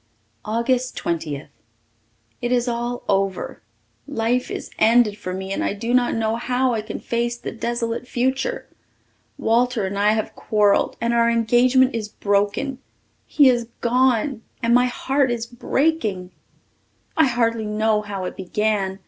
August Twentieth. It is all over. Life is ended for me and I do not know how I can face the desolate future. Walter and I have quarrelled and our engagement is broken. He is gone and my heart is breaking. I hardly know how it began.